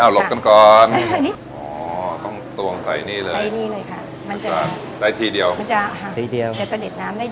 อ้าวลดกันก่อนอ๋อต้องตวงใส่นี่เลยใส่นี่เลยค่ะมันจะได้ทีเดียวมันจะมันจะจะเด็ดน้ำได้ดี